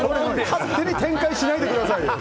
勝手に展開しないで下さいよ！